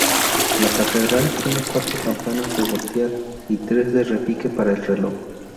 La catedral tiene cuatro campanas de voltear y tres de repique para el reloj.